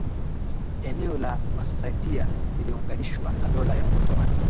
eneo la Meskhetia liliunganishwa na Dola ya Ottoman